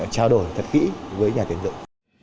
trao đổi thật kỹ với nhà tiền dụng